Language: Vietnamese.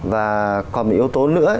và còn một yếu tố nữa